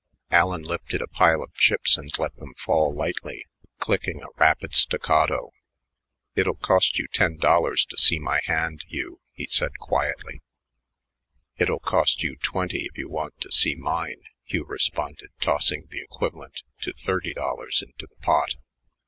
Allen lifted a pile of chips and let them fall lightly, clicking a rapid staccato. "It'll cost you ten dollars to see my hand, Hugh," he said quietly. "It'll cost you twenty if you want to see mine," Hugh responded, tossing the equivalent to thirty dollars into the pot.